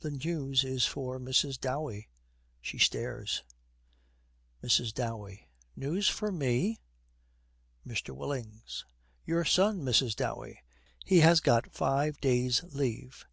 The news is for Mrs. Dowey.' She stares. MRS. DOWEY. 'News for me?' MR. WILLINGS. 'Your son, Mrs. Dowey he has got five days' leave.'